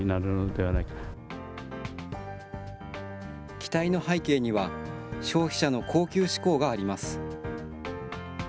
期待の背景には、消費者の高級志向があります。